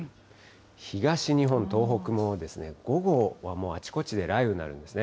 東日本、東北も午後はもうあちこちで雷雨になるんですね。